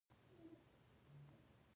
یو بل پیاوړي کوي او دوام ورکوي.